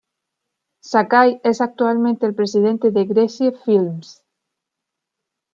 Sakai es actualmente el presidente de Gracie Films.